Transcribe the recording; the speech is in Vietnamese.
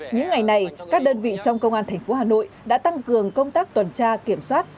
những ngày này các đơn vị trong công an thành phố hà nội đã tăng cường công tác toàn tra kiểm soát